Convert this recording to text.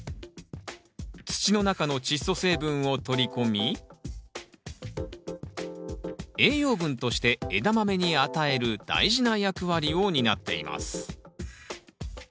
土の中のチッ素成分を取り込み栄養分としてエダマメに与える大事な役割を担っています。